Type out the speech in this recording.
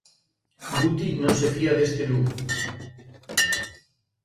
Guti non se fía deste Lugo.